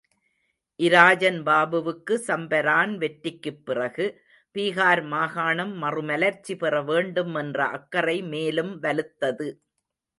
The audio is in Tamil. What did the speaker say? இராஜன் பாபுவுக்கு சம்பரான் வெற்றிக்குப் பிறகு, பீகார் மாகாணம் மறுமலர்ச்சி பெற வேண்டும் என்ற அக்கறை மேலும் வலுத்தது.